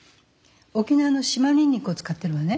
沖縄の島ニンニクを使ってるのね。